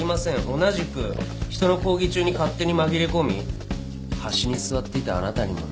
同じく人の講義中に勝手に紛れ込み端に座っていたあなたにもね。